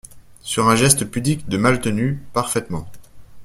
Sur un geste pudique de Maltenu. … parfaitement !…